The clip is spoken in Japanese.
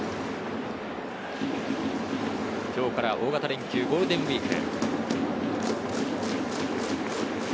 今日から大型連休、ゴールデンウイーク。